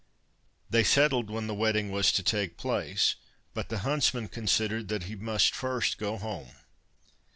They settled when the wedding was to take place, but the huntsman considered that he must first go home.